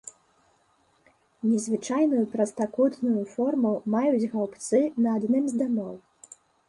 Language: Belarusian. Незвычайную прастакутную форму маюць гаўбцы на адным з дамоў.